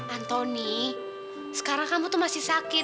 antoni sekarang kamu tuh masih sakit